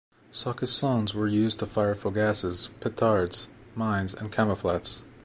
Saucissons were used to fire fougasses, petards, mines and camouflets.